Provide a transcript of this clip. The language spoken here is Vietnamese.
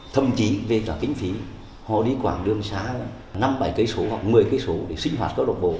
thậm chí về cả kinh phí họ đi khoảng đường xa năm bảy km hoặc một mươi km để sinh hoạt câu lạc bộ